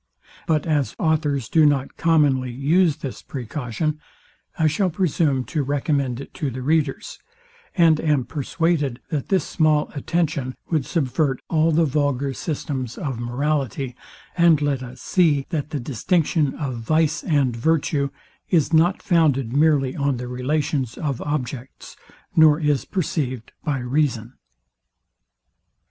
But as authors do not commonly use this precaution, I shall presume to recommend it to the readers; and am persuaded, that this small attention would subvert all the vulgar systems of morality, and let us see, that the distinction of vice and virtue is not founded merely on the relations of objects, nor is perceived by reason.